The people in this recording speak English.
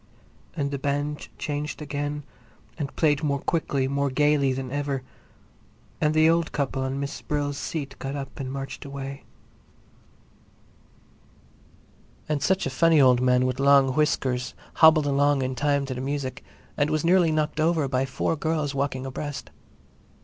And the band changed again and played more quickly, more gayly than ever, and the old couple on Miss Brill's seat got up and marched away, and such a funny old man with long whiskers hobbled along in time to the music and was nearly knocked over by four girls walking abreast.